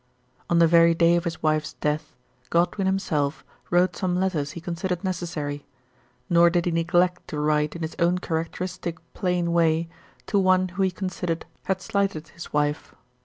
On the very day of his wife's death Godwin himself wrote some letters he considered necessary, nor did he neglect to write in his own characteristic plain way to one who he considered had slighted his wife.